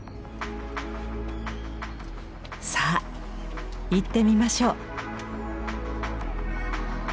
さあ行ってみましょう！